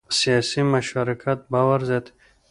سیاسي مشارکت باور زیاتوي